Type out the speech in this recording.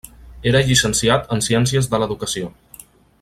Era llicenciat en Ciències de l'educació.